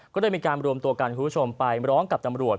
ก็ได้มีการรวมตัวกันคุณผู้ชมไปร้องกับตำรวจ